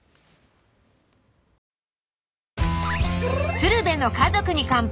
「鶴瓶の家族に乾杯」